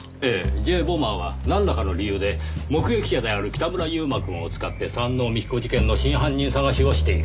Ｊ・ボマーはなんらかの理由で目撃者である北村悠馬くんを使って山王美紀子事件の真犯人捜しをしている。